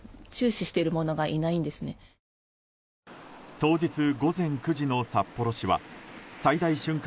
当日午前９時の札幌市は最大瞬間